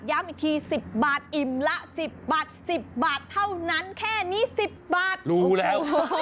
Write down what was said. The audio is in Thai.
ย้ำอีกทีสิบบาทอิ่มละสิบบาทสิบบาทเท่านั้นแค่นี้สิบบาทรู้แล้ว